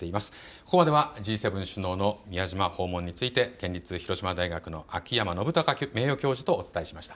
ここまではＧ７首脳の宮島訪問について県立広島大学の秋山伸隆名誉教授とお伝えしました。